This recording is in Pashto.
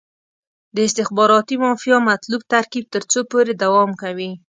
د استخباراتي مافیا مطلوب ترکیب تر څو پورې دوام کوي.